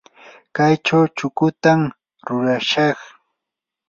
kaychaw chikutam rurashaq.